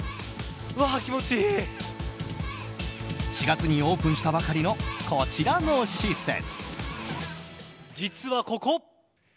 ４月にオープンしたばかりのこちらの施設。